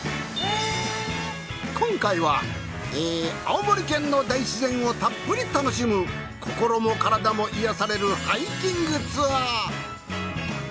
今回はえ青森県の大自然をたっぷり楽しむ心も体も癒やされる。